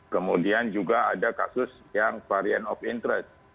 kemudian juga ada kasus yang varian of interest